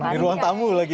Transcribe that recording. di ruang tamu lagi